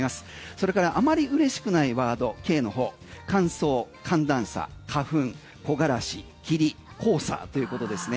それからあまり嬉しくないワード、Ｋの方乾燥、寒暖差、花粉木枯らし、霧、黄砂ということですね。